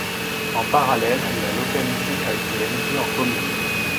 En parallèle, la localité a été érigée en commune.